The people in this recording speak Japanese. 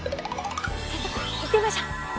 早速行ってみましょう。